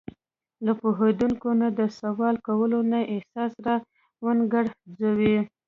له پوهېدونکي نه د سوال کولو نه یې احساس را ونهګرځوي.